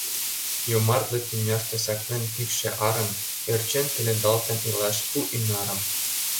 Йомартле тӱняште Саклен кӱкшӧ арым, Ӧрчен-пеледалтын Илаш пу ӱнарым!